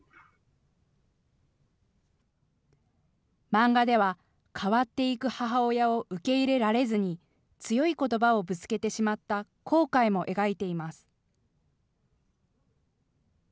漫画では、変わっていく母親を受け入れられずに強いことばをぶつけてしまった後悔も描いています。